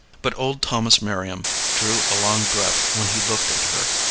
But old Thomas Merriam drew a long breath when he looked at her.